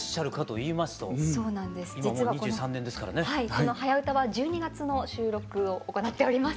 この「はやウタ」は１２月の収録を行っております。